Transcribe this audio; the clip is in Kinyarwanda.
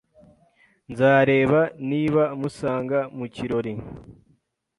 Nzareba niba musanga mu kirori